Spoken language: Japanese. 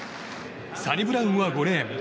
サニブラウンは５レーン。